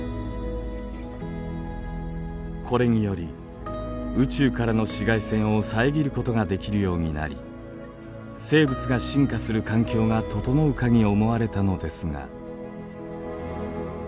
これにより宇宙からの紫外線を遮ることができるようになり生物が進化する環境が整うかに思われたのですが。